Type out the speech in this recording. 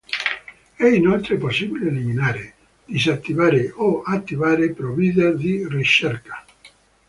È inoltre possibile eliminare, disattivare o attivare provider di ricerca.